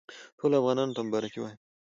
ټولو افغانانو ته مبارکي وایم.